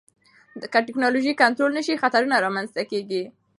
که ټکنالوژي کنټرول نشي، خطرونه رامنځته کېږي.